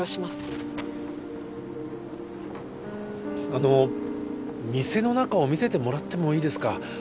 あの店の中を見せてもらってもいいですか？